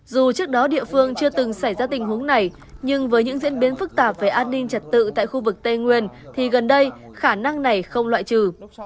dù trước đó địa phương chưa từng xảy ra tình huống này nhưng với những diễn biến phức tạp về an ninh trật tự tại khu vực tây nguyên thì gần đây khả năng này không loại trừ